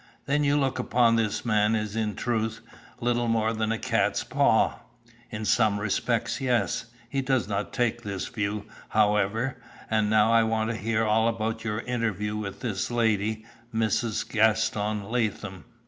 "Then you look upon this man as in truth little more than a cat's paw?" "In some respects, yes. He does not take this view, however, and now I want to hear all about your interview with this lady, Mrs. Gaston Latham."